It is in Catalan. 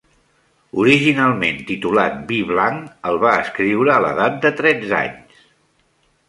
Originalment titulat Vi Blanc, el va escriure a l'edat de tretze anys.